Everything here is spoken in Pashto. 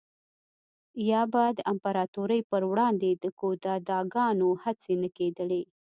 یا به د امپراتورۍ پروړاندې د کودتاګانو هڅې نه کېدلې